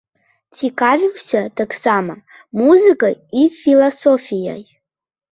Цікавіўся таксама музыкай і філасофіяй.